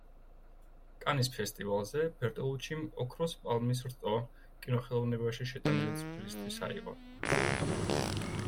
კანის ფესტივალზე ბერტოლუჩიმ „ოქროს პალმის რტო“ კინოხელოვნებაში შეტანილი წვლილისთვის აიღო.